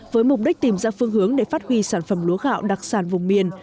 với mục đích tìm ra phương hướng để phát huy sản phẩm lúa gạo đặc sản vùng miền